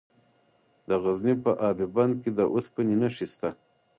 د غزني په اب بند کې د اوسپنې نښې شته.